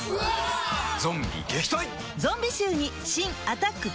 ゾンビ撃退！